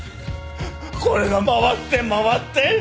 これが回って回って。